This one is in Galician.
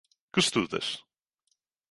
Que estudas?